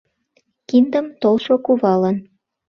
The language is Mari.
Киндым толшо кувалан.